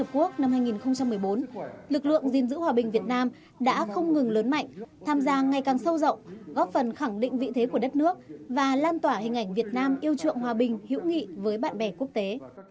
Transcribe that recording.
kể từ khi việt nam lần đầu tiên tham gia hoạt động này của liên hợp quốc năm hai nghìn một mươi bốn lực lượng gìn giữ hòa bình việt nam đã không ngừng lớn mạnh tham gia ngày càng sâu rộng góp phần khẳng định vị thế của đất nước và lan tỏa hình ảnh việt nam yêu trượng hòa bình hữu nghị với bạn bè quốc tế